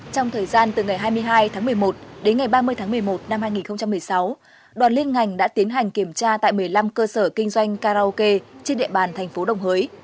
trong thời gian từ ngày hai mươi hai tháng một mươi một đến ngày ba mươi tháng một mươi một năm hai nghìn một mươi sáu đoàn liên ngành đã tiến hành kiểm tra tại một mươi năm cơ sở kinh doanh karaoke trên địa bàn thành phố đồng hới